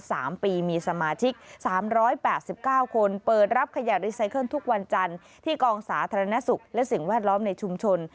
สามปีมีสมาชิก๓๘๙คนเปิดรับขยะรีไซเคิลทุกวันจันทร์ที่กองศาสตร์ธนสุขและสิ่งแวดล้อมในชุมชน